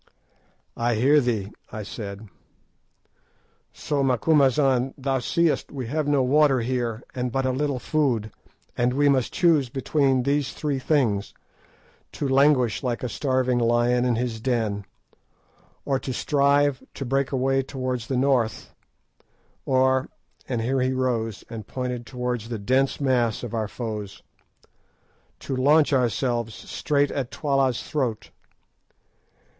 '" "I hear thee," I said. "So, Macumazahn, thou seest we have no water here, and but a little food, and we must choose between these three things—to languish like a starving lion in his den, or to strive to break away towards the north, or"—and here he rose and pointed towards the dense mass of our foes—"to launch ourselves straight at Twala's throat.